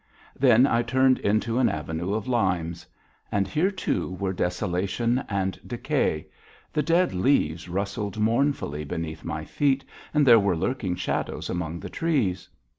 Then I turned into an avenue of limes. And here too were desolation and decay; the dead leaves rustled mournfully beneath my feet, and there were lurking shadows among the trees.